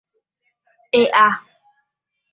¡E'a!